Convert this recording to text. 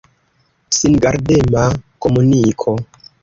Singardema komuniko.